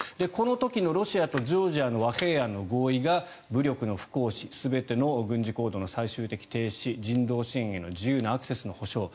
この時のロシアとジョージアの和平案の合意が武力の不行使全ての軍事行動の最終的な停止人道支援への自由なアクセスの保証。